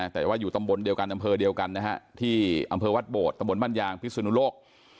แต่ว่าอยู่ตำบลเดียวกันอำเภอเดียวกันนะฮะที่อำเภอวัดโบดตำบลบ้านยางพิศนุโลก